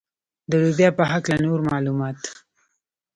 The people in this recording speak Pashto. د لوبیا په هکله نور معلومات.